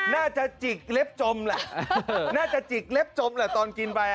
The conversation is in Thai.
น่าจะจิกเล็บจมแหละน่าจะจิกเล็บจมแหละตอนกินไป